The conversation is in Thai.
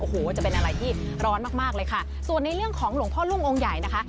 โอ้โหจะเป็นอะไรที่ร้อนมากมากเลยค่ะส่วนในเรื่องของหลวงพ่อรุ่งองค์ใหญ่นะคะ